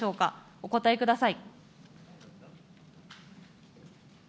お答えください。